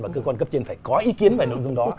và cơ quan cấp trên phải có ý kiến về nội dung đó